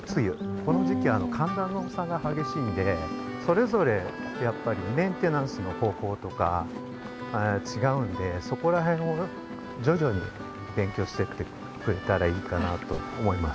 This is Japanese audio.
この時期寒暖の差がはげしいのでそれぞれやっぱりメンテナンスの方法とかちがうんでそこらへんをじょじょに勉強してってくれたらいいかなと思います。